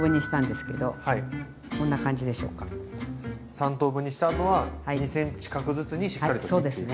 ３等分にした後は２ｃｍ角ずつにしっかりと切っていくと。